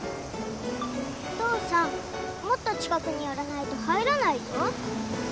お父さんもっと近くに寄らないと入らないよ